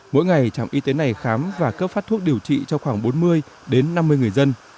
mỗi ngày trạm y tế này khám và cấp phát thuốc điều trị cho khoảng bốn mươi đến năm mươi người dân